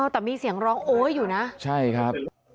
แต่มีเสียงร้องโอ๊ยอยู่นะใช่ครับ